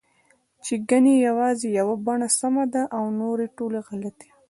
چې ګنې یوازې یوه بڼه سمه ده او نورې ټولې غلطې